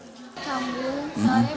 sambil soalnya biasanya kan salaman